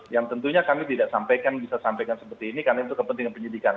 yang tentunya kami tidak sampaikan bisa sampaikan seperti ini karena itu kepentingan penyidikan